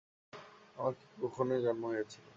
আমার কী কুক্ষণেই জন্ম হইয়াছিল।